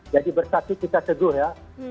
jadi bersatu kita seguh ya